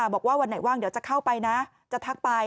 บอกว่าวันไหนว่างเดี๋ยวจะเข้าไปนะจะทักไป